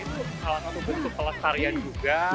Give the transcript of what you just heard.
ini tuh salah satu bentuk pelet tarian juga